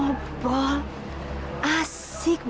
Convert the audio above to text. oke kalau begitu pak saya permisi dulu